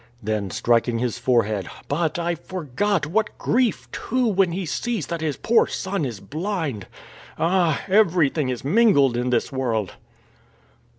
Then, striking his forehead: "But, I forgot, what grief too when he sees that his poor son is blind! Ah! everything is mingled in this world!"